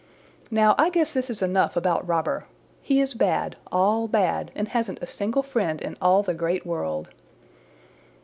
Now I guess this is enough about Robber. He is bad, all bad, and hasn't a single friend in all the Great World."